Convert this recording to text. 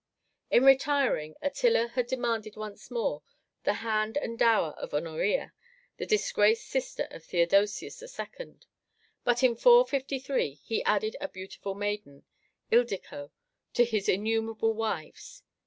In retiring, Attila had demanded once more the hand and dower of Honoria, the disgraced sister of Theodosius II. But in 453 he added a beautiful maiden, Ildico, to his innumerable wives.